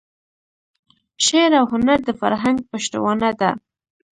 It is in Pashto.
شعر او هنر د فرهنګ پشتوانه ده.